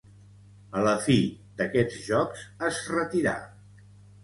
A la fi d'aquests Jocs es retirà.